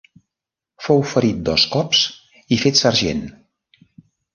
Fou ferit dos cops i fet sergent.